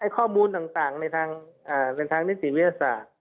ข้อมูลต่างในทางนิติวิทยาศาสตร์